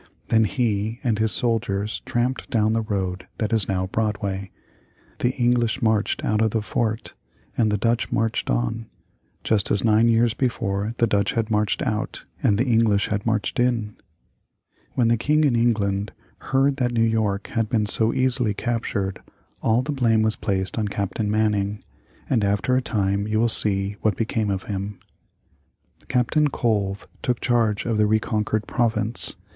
Then he and his soldiers tramped down the road that is now Broadway. The English marched out of the fort, and the Dutch marched in; just as nine years before the Dutch had marched out and the English had marched in. When the King in England heard that New York had been so easily captured, all the blame was placed on Captain Manning, and after a time you will see what became of him. [Illustration: The Dutch Ultimatum.] Captain Colve took charge of the reconquered province.